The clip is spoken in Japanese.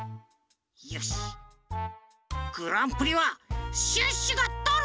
よしグランプリはシュッシュがとる！